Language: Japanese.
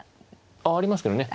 あありますけどね。